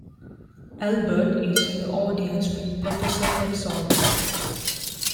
Albert is in the audience with Professor Petzold.